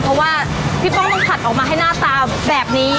เพราะว่าพี่ป้องต้องผัดออกมาให้หน้าตาแบบนี้